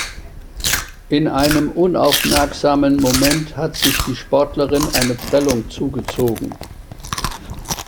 In einem unaufmerksamen Moment hat sich die Sportlerin eine Prellung zugezogen.